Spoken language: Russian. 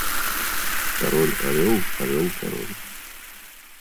Король орёл – орёл король.